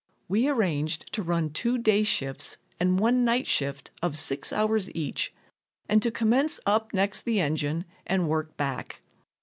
We arranged to run two day shifts and one night shift of six hours each and to commence up next the engine and work back.